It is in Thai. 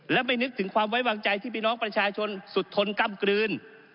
และไม่นึกถึงความไว้วางใจที่พี่น้องประชาชนสุดทนกล้ำกลืน